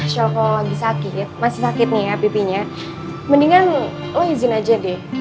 shell kalau lagi sakit masih sakit nih ya pipinya mendingan lo izin aja deh